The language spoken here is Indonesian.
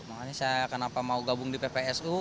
makanya saya kenapa mau gabung di ppsu